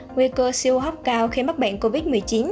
nguy cơ siêu hấp cao khi mắc bệnh covid một mươi chín